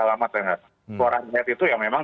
halamat renat suara rakyat itu yang memang